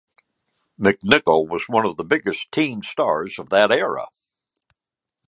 McNichol was one of the biggest teen stars of that era.